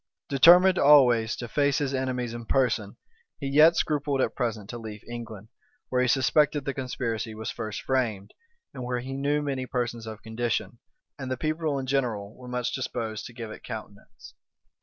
Determined always to face his enemies in person, he yet scrupled at present to leave England, where he suspected the conspiracy was first framed, and where he knew many persons of condition, and the people in general, were much disposed to give it countenance.